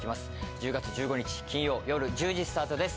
１０月１５日金曜よる１０時スタートです